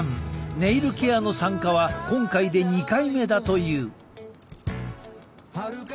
ネイルケアの参加は今回で２回目だという。